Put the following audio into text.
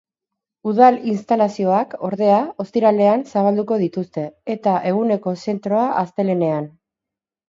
Udal instalazioak, ordea, ostiralean zabalduko dituzte, eta eguneko zentroa astelehenean.